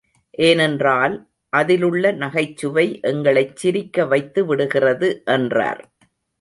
ஏனென்னறால் அதிலுள்ள நகைச்சுவை எங்களைச் சிரிக்க வைத்து விடுகிறது. என்றார்.